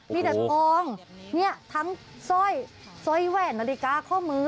มีดันกองเนี้ยทั้งซ่อยซ่อยแหวนนาฬิกาข้อมือ